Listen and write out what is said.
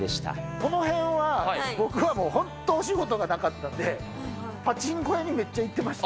このへんは、僕はもう本当お仕事がなかったんで、パチンコ屋にめっちゃ行ってました。